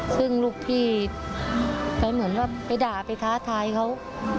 ซึ่งลูกที่ไปด่าไปค้าทายเขา